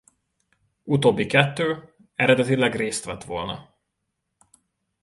Utóbbi kettő eredetileg részt vett volna.